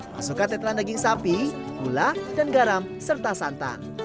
masukkan tetelan daging sapi gula dan garam serta santan